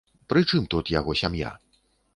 Пры чым тут яго сям'я?